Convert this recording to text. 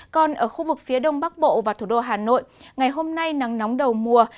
còn ở khu vực phía đông bắc bộ và thủ đô hà nội ngày hôm nay nắng nóng đầu mùa